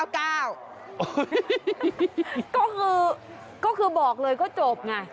ก็คือบอกเลยก็จบไง